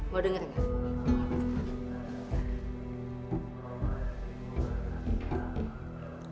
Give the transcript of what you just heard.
mau denger gak